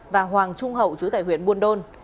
và hoàng trung hậu chú tại huyện buôn đôn